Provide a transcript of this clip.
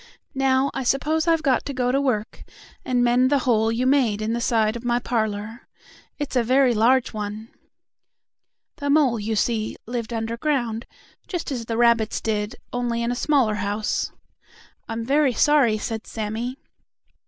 Now, I suppose I've got to go to work and mend the hole you made in the side of my parlor. It's a very large one." The mole, you see, lived underground, just as the rabbits did, only in a smaller house. "I'm very sorry," said Sammie.